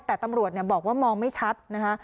แต่ตำรวจบอกว่ามองไม่ชัดนะคะ